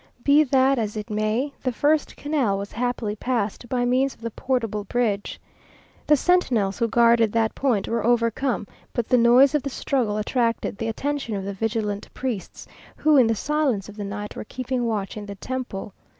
Be that as it may, the first canal was happily passed by means of the portable bridge. The sentinels who guarded that point were overcome; but the noise of the struggle attracted the attention of the vigilant priests, who in the silence of the night were keeping watch in the temple.